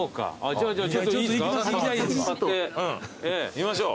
見ましょう。